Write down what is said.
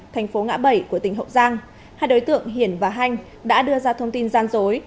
thành phố ngã bảy của tỉnh hậu giang hai đối tượng hiển và hanh đã đưa ra thông tin gian dối